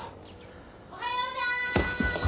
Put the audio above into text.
おはようさん！